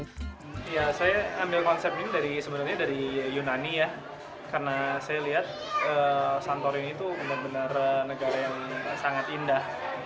ya saya ambil konsep ini dari sebenarnya dari yunani ya karena saya lihat santorio itu benar benar negara yang sangat indah